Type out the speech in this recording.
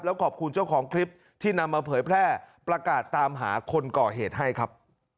แล้วขอบคุณเจ้าของคลิปที่นำมาเผยแพร่ประกาศตามหาคนก่อเหตุให้ครับ